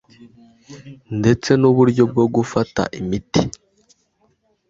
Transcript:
ndetse n’uburyo bwo gufata imiti